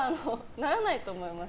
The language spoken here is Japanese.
ならないと思います。